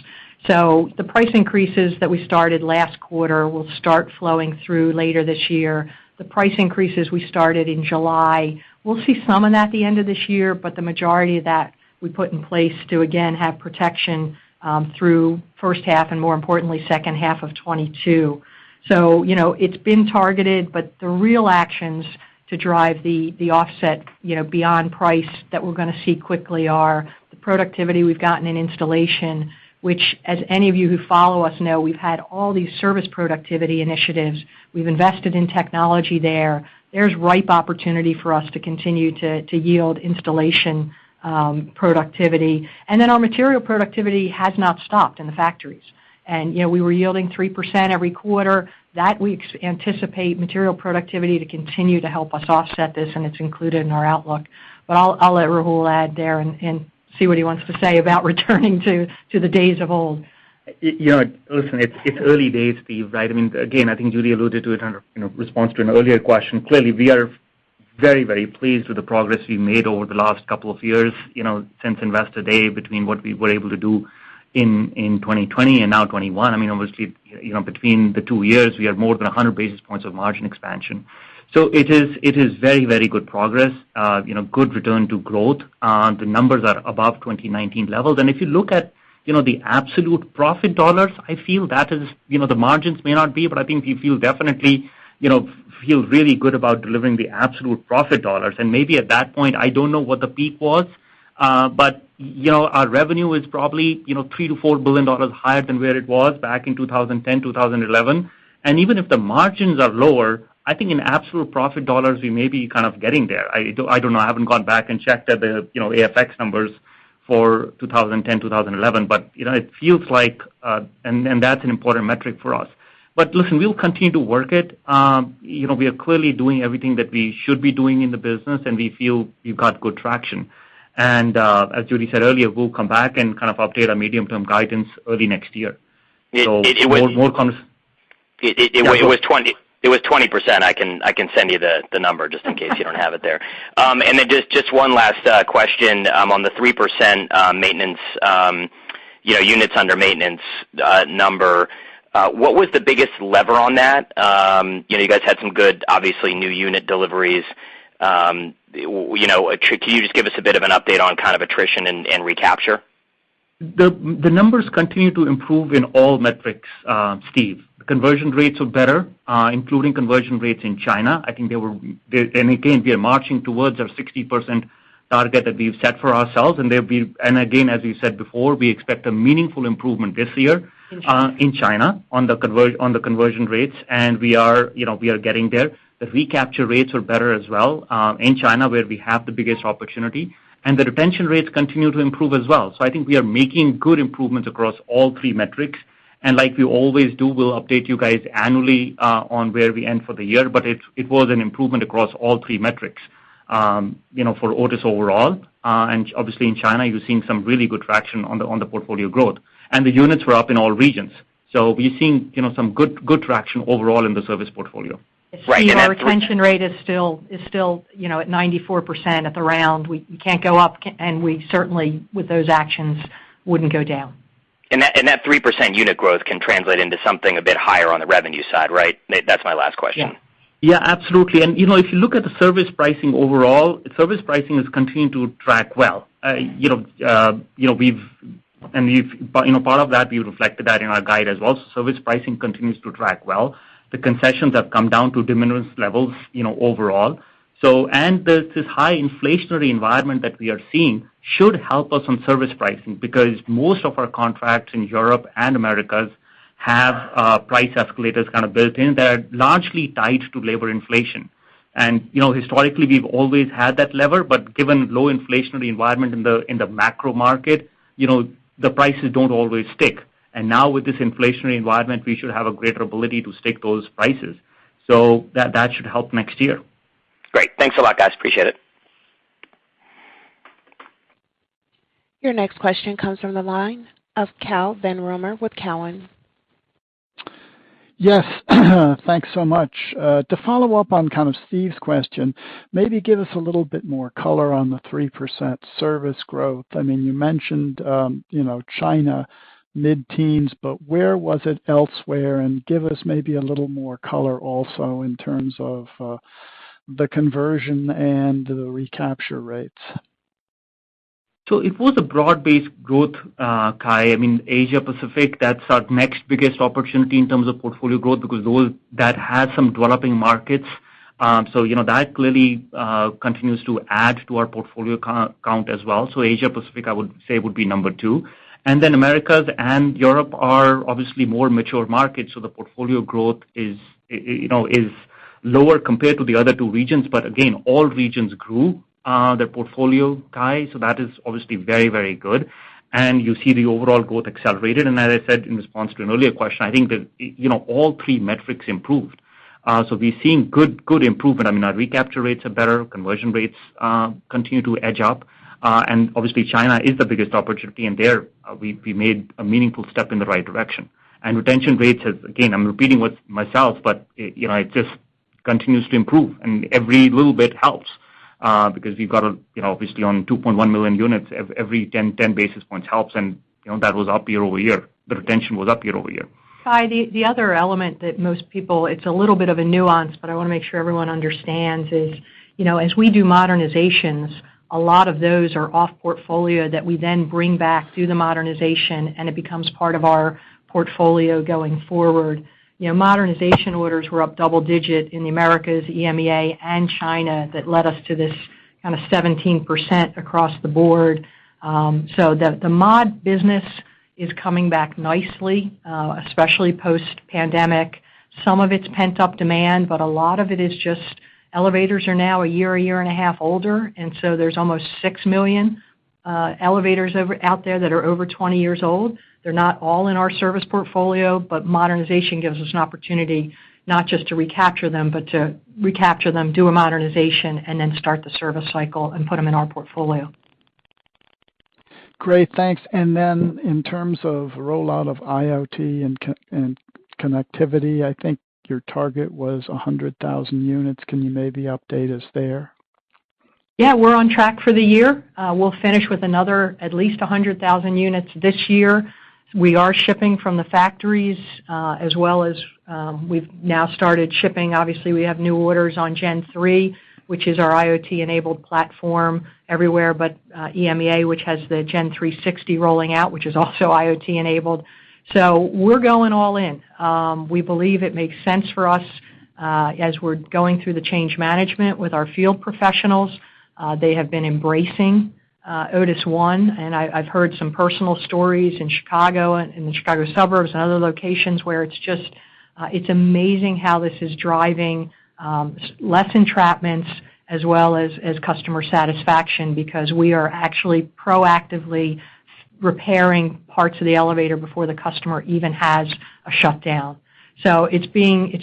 The price increases that we started last quarter will start flowing through later this year. The price increases we started in July, we'll see some of that at the end of this year, but the majority of that we put in place to, again, have protection, through first half and more importantly, second half of 2022. It's been targeted, but the real actions to drive the offset, beyond price that we're going to see quickly are the productivity we've gotten in installation, which as any of you who follow us know, we've had all these service productivity initiatives. We've invested in technology there. There's ripe opportunity for us to continue to yield installation, productivity. Our material productivity has not stopped in the factories. We were yielding 3% every quarter. That we anticipate material productivity to continue to help us offset this, and it's included in our outlook. I'll let Rahul add there and see what he wants to say about returning to the days of old. Listen, it's early days, Steve. I mean, again, I think Judy alluded to it in her response to an earlier question. Clearly, we are very pleased with the progress we've made over the last couple of years, since Investor Day, between what we were able to do in 2020 and now 2021. Obviously, between the two years, we have more than 100 basis points of margin expansion. It is very good progress, good return to growth. The numbers are above 2019 levels. If you look at the absolute profit dollars, I feel that is, the margins may not be, but I think we feel definitely feel really good about delivering the absolute profit dollars. Maybe at that point, I don't know what the peak was. Our revenue is probably, $3 billion-$4 billion higher than where it was back in 2010, 2011. Even if the margins are lower, I think in absolute profit dollars, we may be kind of getting there. I don't know. I haven't gone back and checked the AFX numbers for 2010, 2011, but it feels like, and that's an important metric for us. Listen, we'll continue to work it. We are clearly doing everything that we should be doing in the business, and we feel we've got good traction. As Judy said earlier, we'll come back and update our medium-term guidance early next year. It was 20%. I can send you the number just in case you don't have it there. Just one last question, on the 3% maintenance, units under maintenance number. What was the biggest lever on that? You guys had some good, obviously, new unit deliveries. Can you just give us a bit of an update on kind of attrition and recapture? The numbers continue to improve in all metrics, Steve. The conversion rates are better, including conversion rates in China. Again, we are marching towards our 60% target that we've set for ourselves, and again, as we said before, we expect a meaningful improvement this year. In China in China on the conversion rates. We are getting there. The recapture rates are better as well, in China, where we have the biggest opportunity, and the retention rates continue to improve as well. I think we are making good improvements across all three metrics. Like we always do, we'll update you guys annually, on where we end for the year. It was an improvement across all three metrics. For Otis overall, and obviously in China, you're seeing some really good traction on the portfolio growth. The units were up in all regions. We're seeing some good traction overall in the service portfolio. Right. Steve, our retention rate is still at 94% at the round. We can't go up, and we certainly, with those actions, wouldn't go down. That 3% unit growth can translate into something a bit higher on the revenue side, right? That's my last question. Yeah. Absolutely. If you look at the service pricing overall, service pricing has continued to track well. Part of that, we reflected that in our guide as well. Service pricing continues to track well. The concessions have come down to de minimis levels, overall. This high inflationary environment that we are seeing should help us on service pricing because most of our contracts in Europe and Americas have price escalators kind of built in that are largely tied to labor inflation. Historically, we've always had that lever, but given low inflationary environment in the macro market, the prices don't always stick. Now with this inflationary environment, we should have a greater ability to stick those prices. That should help next year. Great. Thanks a lot, guys. Appreciate it. Your next question comes from the line of Cai von Rumohr with Cowen. Yes. Thanks so much. To follow up on kind of Steve's question, maybe give us a little bit more color on the 3% service growth. You mentioned China, mid-teens, where was it elsewhere? Give us maybe a little more color also in terms of the conversion and the recapture rates. It was a broad-based growth, Cai. Asia Pacific, that's our next biggest opportunity in terms of portfolio growth because that has some developing markets. That clearly continues to add to our portfolio count as well. Asia Pacific, I would say, would be number two. Americas and Europe are obviously more mature markets, so the portfolio growth is lower compared to the other two regions. Again, all regions grew their portfolio, Cai, so that is obviously very good. You see the overall growth accelerated. As I said in response to an earlier question, I think that all three metrics improved. We're seeing good improvement. Our recapture rates are better, conversion rates continue to edge up, and obviously China is the biggest opportunity, and there we made a meaningful step in the right direction. Retention rates has, again, I'm repeating myself, but it just continues to improve, and every little bit helps. You've got obviously on 2.1 million units, every 10 basis points helps, and that was up year-over-year. The retention was up year-over-year. Cai, the other element that most people, it's a little bit of a nuance, but I want to make sure everyone understands is, as we do modernizations, a lot of those are off portfolio that we then bring back through the modernization and it becomes part of our portfolio going forward. Modernization orders were up double-digit in the Americas, EMEA, and China that led us to this kind of 17% across the board. The mod business is coming back nicely, especially post-pandemic. Some of it's pent-up demand, but a lot of it is just elevators are now a year, a 1.5 years older. There's almost 6 million elevators out there that are over 20 years old. They're not all in our service portfolio, but modernization gives us an opportunity not just to recapture them, but to recapture them, do a modernization, and then start the service cycle and put them in our portfolio. Great, thanks. In terms of rollout of IoT and connectivity, I think your target was 100,000 units. Can you maybe update us there? Yeah, we're on track for the year. We'll finish with another at least 100,000 units this year. We are shipping from the factories, as well as we've now started shipping, obviously, we have new orders on Gen3, which is our IoT-enabled platform everywhere but EMEA, which has the Gen360 rolling out, which is also IoT-enabled. We're going all in. We believe it makes sense for us. As we're going through the change management with our field professionals, they have been embracing Otis ONE, and I've heard some personal stories in Chicago and in Chicago suburbs and other locations where it's just amazing how this is driving less entrapments as well as customer satisfaction because we are actually proactively repairing parts of the elevator before the customer even has a shutdown. It's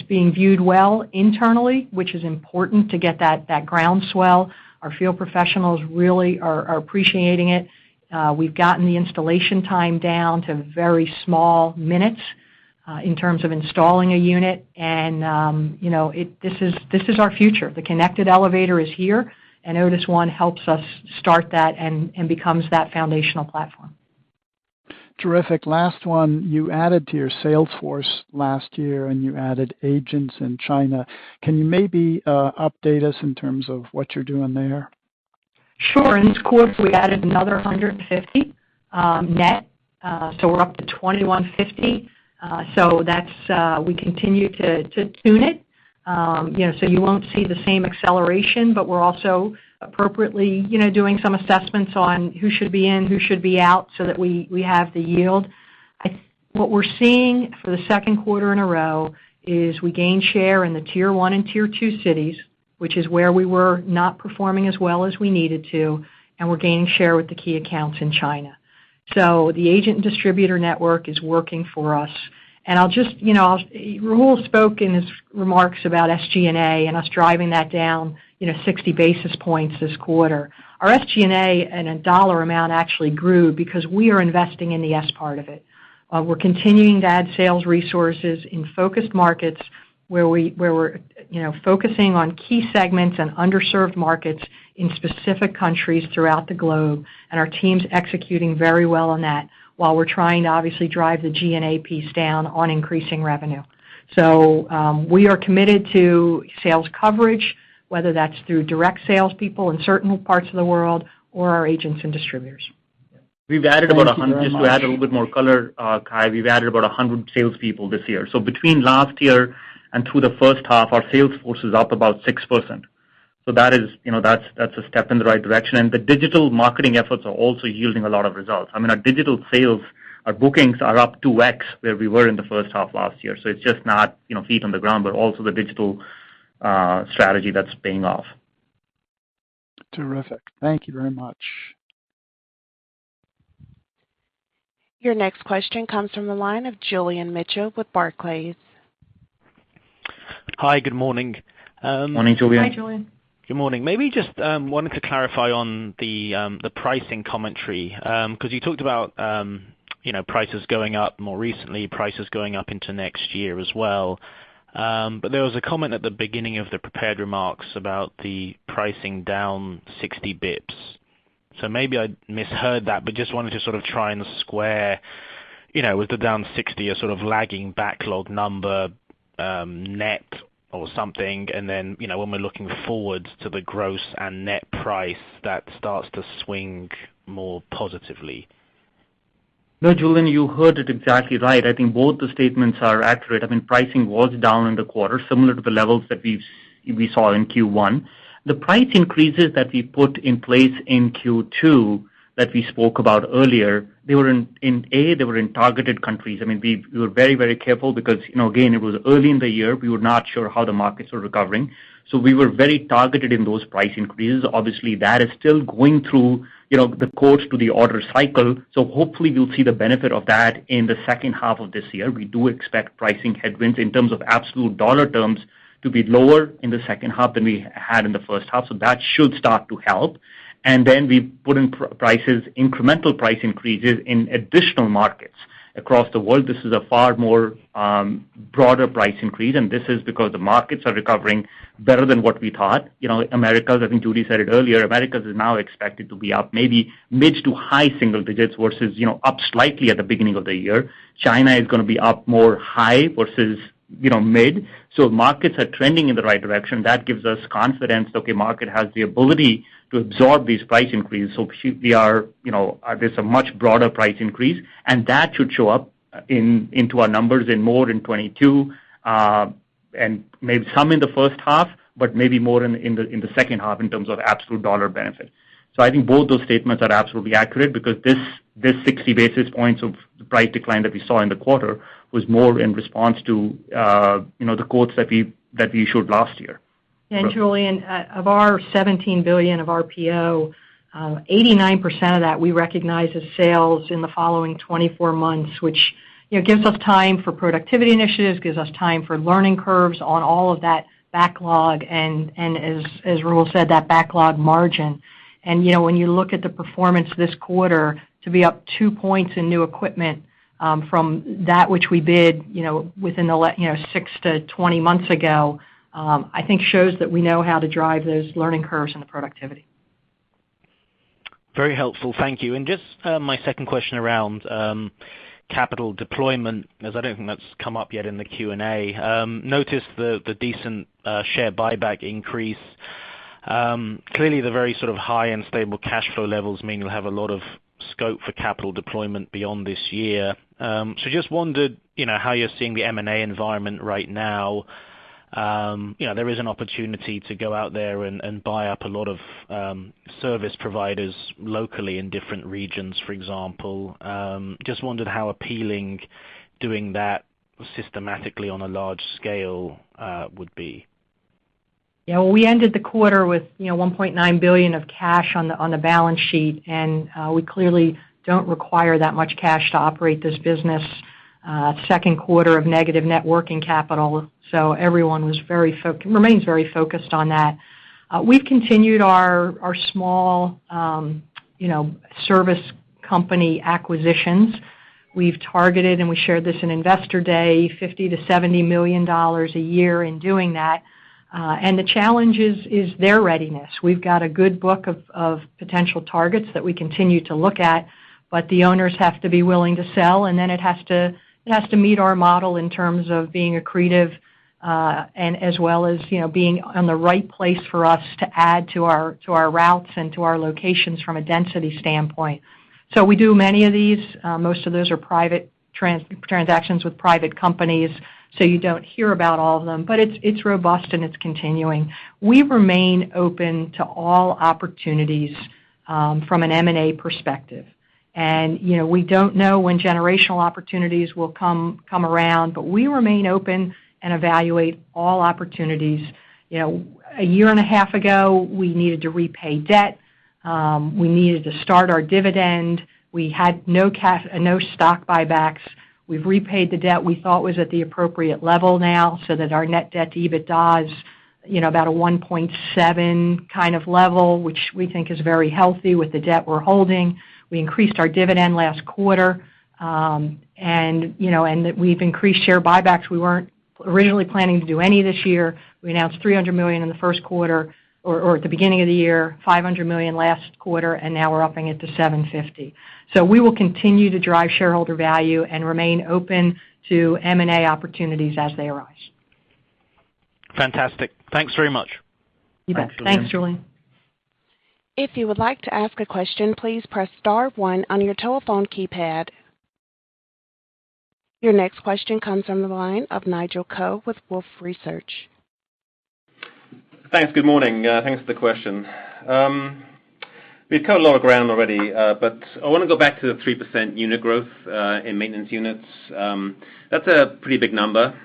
being viewed well internally, which is important to get that ground swell. Our field professionals really are appreciating it. We've gotten the installation time down to very small minutes in terms of installing a unit, and this is our future. The connected elevator is here, and Otis ONE helps us start that and becomes that foundational platform. Terrific. Last one, you added to your sales force last year, and you added agents in China. Can you maybe update us in terms of what you're doing there? Sure. In this quarter, we added another 150 net, so we're up to 2,150. We continue to tune it. You won't see the same acceleration, but we're also appropriately doing some assessments on who should be in, who should be out, so that we have the yield. What we're seeing for the second quarter in a row is we gain share in the Tier 1 and Tier 2 cities, which is where we were not performing as well as we needed to, and we're gaining share with the key accounts in China. The agent distributor network is working for us. Rahul spoke in his remarks about SG&A and us driving that down 60 basis points this quarter. Our SG&A in a dollar amount actually grew because we are investing in the S part of it. We're continuing to add sales resources in focused markets where we're focusing on key segments and underserved markets in specific countries throughout the globe, and our team's executing very well on that, while we're trying to obviously drive the G&A piece down on increasing revenue. We are committed to sales coverage, whether that's through direct sales people in certain parts of the world or our agents and distributors. We've added about 100. Just to add a little bit more color, Cai, we've added about 100 salespeople this year. Between last year and through the first half, our sales force is up about 6%. That's a step in the right direction, and the digital marketing efforts are also yielding a lot of results. Our digital sales, our bookings are up 2x where we were in the first half last year. It's just not feet on the ground, but also the digital strategy that's paying off. Terrific. Thank you very much. Your next question comes from the line of Julian Mitchell with Barclays. Hi, good morning. Morning, Julian. Hi, Julian. Good morning. Just wanted to clarify on the pricing commentary, because you talked about prices going up more recently, prices going up into next year as well. There was a comment at the beginning of the prepared remarks about the pricing down 60 basis points. Maybe I misheard that, but just wanted to try and square with the down 60 basis points, a lagging backlog number, net or something. When we're looking forward to the gross and net price, that starts to swing more positively. No, Julian, you heard it exactly right. I think both the statements are accurate. Pricing was down in the quarter, similar to the levels that we saw in Q1. The price increases that we put in place in Q2, that we spoke about earlier, A, they were in targeted countries. We were very careful because, again, it was early in the year. We were not sure how the markets were recovering. We were very targeted in those price increases. Obviously, that is still going through the course to the order cycle. Hopefully we'll see the benefit of that in the second half of this year. We do expect pricing headwinds in terms of absolute dollar terms to be lower in the second half than we had in the first half. That should start to help. We put in incremental price increases in additional markets across the world. This is a far more broader price increase, this is because the markets are recovering better than what we thought. Americas, I think Judy said it earlier, Americas is now expected to be up maybe mid to high single-digits versus up slightly at the beginning of the year. China is going to be up more high versus mid. Markets are trending in the right direction. That gives us confidence, okay, market has the ability to absorb these price increases. There's a much broader price increase, that should show up into our numbers in more in 2022, and maybe some in the first half, but maybe more in the second half in terms of absolute dollar benefit. I think both those statements are absolutely accurate because this 60 basis points of price decline that we saw in the quarter was more in response to the quotes that we issued last year. Julian, of our $17 billion of RPO, 89% of that we recognize as sales in the following 24 months, which gives us time for productivity initiatives, gives us time for learning curves on all of that backlog, and as Rahul said, that backlog margin. When you look at the performance this quarter, to be up two points in new equipment from that which we bid within the six to 20 months ago, I think shows that we know how to drive those learning curves and the productivity. Very helpful. Thank you. Just my second question around capital deployment, as I don't think that's come up yet in the Q&A. Noticed the decent share buyback increase. Clearly, the very sort of high and stable cash flow levels mean you'll have a lot of scope for capital deployment beyond this year. Just wondered how you're seeing the M&A environment right now. There is an opportunity to go out there and buy up a lot of service providers locally in different regions, for example. Just wondered how appealing doing that systematically on a large scale would be. Yeah. Well, we ended the quarter with $1.9 billion of cash on the balance sheet, and we clearly don't require that much cash to operate this business. Second quarter of negative net working capital. Everyone remains very focused on that. We've continued our small service company acquisitions. We've targeted, and we shared this in Investor Day, $50 million-$70 million a year in doing that. The challenge is their readiness. We've got a good book of potential targets that we continue to look at, but the owners have to be willing to sell, and then it has to meet our model in terms of being accretive, and as well as being on the right place for us to add to our routes and to our locations from a density standpoint. We do many of these. Most of those are private transactions with private companies, so you don't hear about all of them, but it's robust and it's continuing. We remain open to all opportunities from an M&A perspective. We don't know when generational opportunities will come around, but we remain open and evaluate all opportunities. A 1.5 year ago, we needed to repay debt. We needed to start our dividend. We had no stock buybacks. We've repaid the debt we thought was at the appropriate level now, so that our net debt to EBITDA is about a 1.7 kind of level, which we think is very healthy with the debt we're holding. We increased our dividend last quarter, and we've increased share buybacks. We weren't originally planning to do any this year. We announced $300 million in the first quarter, or at the beginning of the year, $500 million last quarter, and now we're upping it to $750 million. We will continue to drive shareholder value and remain open to M&A opportunities as they arise. Fantastic. Thanks very much. Thanks, Julian. You bet. Thanks, Julian. Your next question comes from the line of Nigel Coe with Wolfe Research. Thanks. Good morning. Thanks for the question. We've covered a lot of ground already, but I want to go back to the 3% unit growth in maintenance units. That's a pretty big number.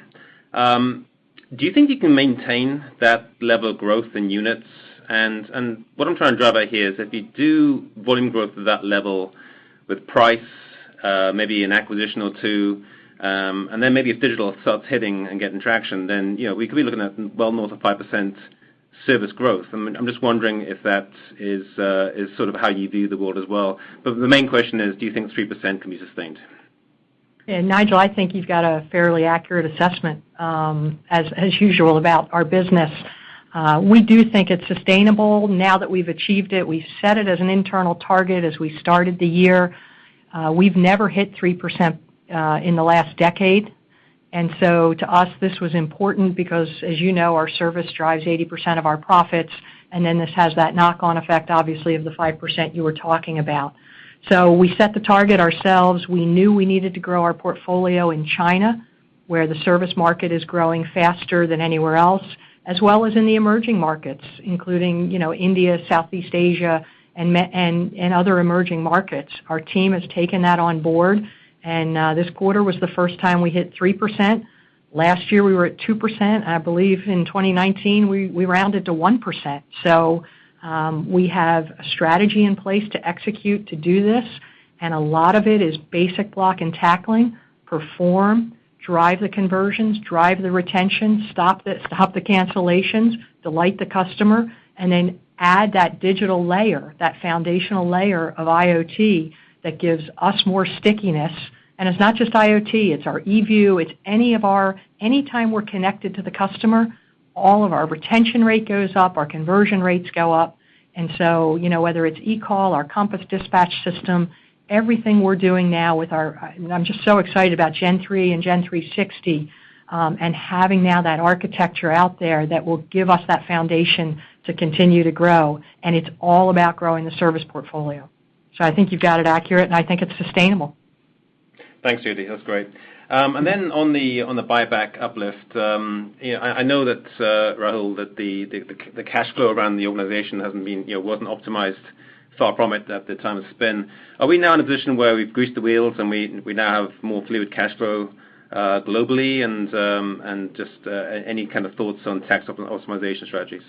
Do you think you can maintain that level of growth in units? What I'm trying to drive at here is if you do volume growth to that level with price, maybe an acquisition or two, and then maybe if digital starts hitting and getting traction, then we could be looking at well more than 5% service growth. I'm just wondering if that is how you view the world as well. The main question is, do you think 3% can be sustained? Nigel, I think you've got a fairly accurate assessment, as usual, about our business. We do think it's sustainable now that we've achieved it. We've set it as an internal target as we started the year. We've never hit 3% in the last decade. To us, this was important because, as you know, our service drives 80% of our profits, and then this has that knock-on effect, obviously, of the 5% you were talking about. We set the target ourselves. We knew we needed to grow our portfolio in China, where the service market is growing faster than anywhere else, as well as in the emerging markets, including India, Southeast Asia, and other emerging markets. Our team has taken that on board, and this quarter was the first time we hit 3%. Last year, we were at 2%, and I believe in 2019, we rounded to 1%. We have a strategy in place to execute to do this, and a lot of it is basic block and tackling, perform, drive the conversions, drive the retention, stop the cancellations, delight the customer, and then add that digital layer, that foundational layer of IoT that gives us more stickiness. It's not just IoT, it's our eView, Any time we're connected to the customer, all of our retention rate goes up, our conversion rates go up. Whether it's eCall, our Compass Dispatching System, everything we're doing now with our I'm just so excited about Gen3 and Gen360, and having now that architecture out there that will give us that foundation to continue to grow, and it's all about growing the service portfolio. I think you've got it accurate, and I think it's sustainable. Thanks, Judy. That's great. On the buyback uplift, I know that, Rahul, that the cash flow around the organization wasn't optimized, far from it, at the time of spin. Are we now in a position where we've greased the wheels, and we now have more fluid cash flow globally and just any kind of thoughts on tax optimization strategies?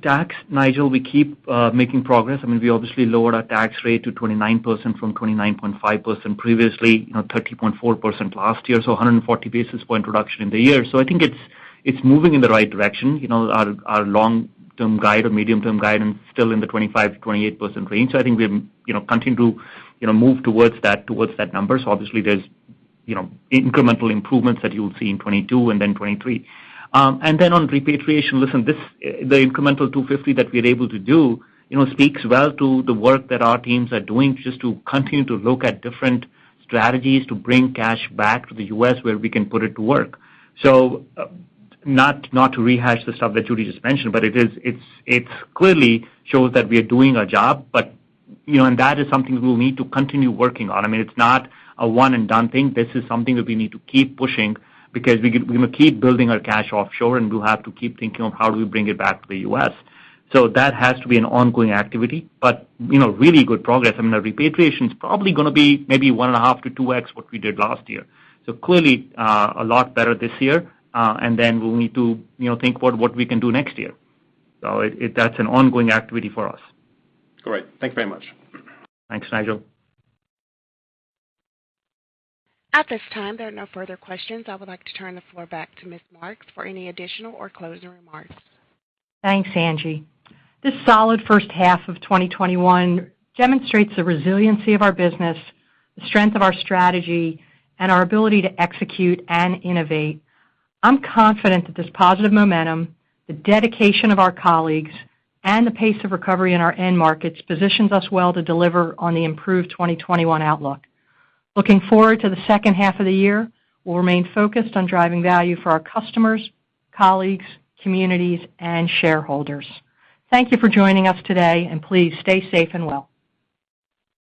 Tax, Nigel, we keep making progress. We obviously lowered our tax rate to 29% from 29.5% previously, 30.4% last year, 140 basis point reduction in the year. I think it's moving in the right direction. Our long-term guide or medium-term guidance still in the 25%-28% range. I think we continue to move towards that number. Obviously there's incremental improvements that you'll see in 2022 and then 2023. On repatriation, listen, the incremental $250 that we're able to do speaks well to the work that our teams are doing just to continue to look at different strategies to bring cash back to the U.S. where we can put it to work. Not to rehash the stuff that Judy just mentioned, but it clearly shows that we are doing our job, and that is something we'll need to continue working on. I mean, it's not a one-and-done thing. This is something that we need to keep pushing because we're going to keep building our cash offshore, and we'll have to keep thinking of how do we bring it back to the U.S. That has to be an ongoing activity. Really good progress. I mean, our repatriation is probably going to be maybe 1.5x-2x what we did last year. Clearly, a lot better this year, and then we'll need to think about what we can do next year. That's an ongoing activity for us. Great. Thank you very much. Thanks, Nigel. At this time, there are no further questions. I would like to turn the floor back to Ms. Marks for any additional or closing remarks. Thanks, Angie. This solid first half of 2021 demonstrates the resiliency of our business, the strength of our strategy, and our ability to execute and innovate. I'm confident that this positive momentum, the dedication of our colleagues, and the pace of recovery in our end markets positions us well to deliver on the improved 2021 outlook. Looking forward to the second half of the year, we'll remain focused on driving value for our customers, colleagues, communities, and shareholders. Thank you for joining us today, and please stay safe and well.